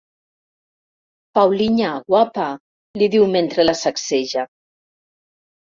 Paulinha, guapa —li diu mentre la sacseja—.